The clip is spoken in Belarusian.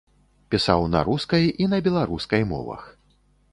Пісаў на рускай і на беларускай мовах.